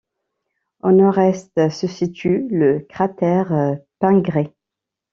Au nord-est se situe le cratère Pingré.